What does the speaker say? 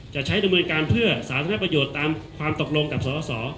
จะใช้ดำเนินการเพื่อสาธารณประโยชน์ตามความตกลงกับสส